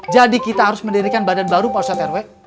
jadi kita harus mendirikan badan baru pak ustadz herwe